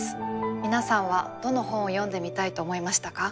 皆さんはどの本を読んでみたいと思いましたか？